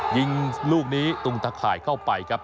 ยิงลูกนี้ตุงตะข่ายเข้าไปครับ